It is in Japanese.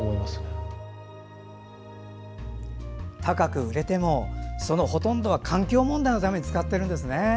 高く売れてもそのほとんどは環境問題のために使っているんですね。